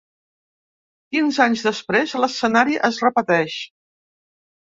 Quinze anys després, l’escenari es repeteix.